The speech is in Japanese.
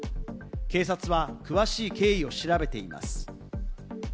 警察は詳しい経緯を調べています。